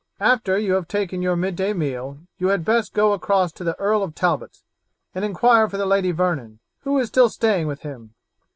After you have taken your midday meal you had best go across to the Earl of Talbot's and inquire for the Lady Vernon, who is still staying with him.